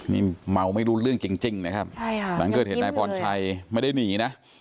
นี่เมาไม่รู้เรื่องจริงนะครับใช่ค่ะหลังเกิดเหตุนายพรชัยไม่ได้หนีนะ